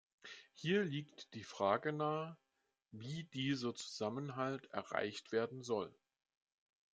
Hier liegt die Frage nahe, wie dieser Zusammenhalt erreicht werden soll.